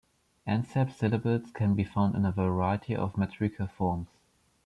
Anceps syllables can be found in a variety of metrical forms.